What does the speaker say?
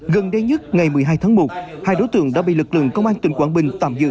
gần đây nhất ngày một mươi hai tháng một hai đối tượng đã bị lực lượng công an tỉnh quảng bình tạm giữ